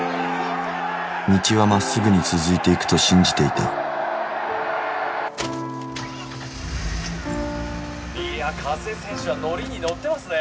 道はまっすぐに続いていくと信じていたいや加瀬選手はノリにノッてますね